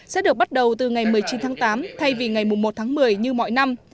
sẽ được bắt đầu từ ngày một mươi chín tháng tám thay vì ngày một tháng một mươi như mọi năm